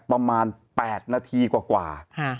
ประมาณ๘นาทีกว่า